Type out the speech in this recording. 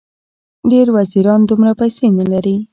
ډېر وزیران دومره پیسې نه لري.